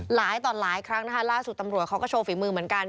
หลายต่อหลายครั้งนะคะล่าสุดตำรวจเขาก็โชว์ฝีมือเหมือนกัน